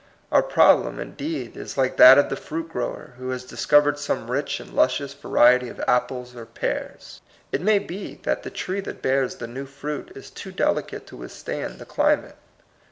Our prob lem, indeed, is like that of the fruit grower who has discovered some rich and lus cious variety of apples or pears. It may be that the tree that bears the new fruit is too delicate to withstand the cli mate.